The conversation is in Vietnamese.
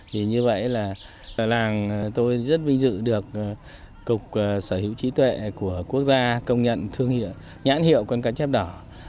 vì như vậy là làng tôi rất vinh dự được cục sở hữu trí tuệ của quốc gia công nhận thương hiệu nhãn hiệu con cá chép đỏ